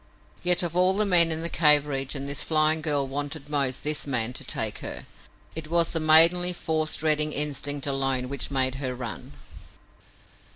Yet of all the men in the cave region, this flying girl wanted most this man to take her! It was the maidenly force dreading instinct alone which made her run.